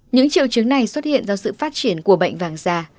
những triệu chứng này xuất hiện do sự phát triển của bệnh vàng da